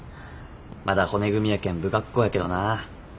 まだ骨組みやけん不格好やけどな。